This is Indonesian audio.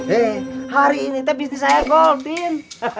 hei hari ini itu bisnis saya goldin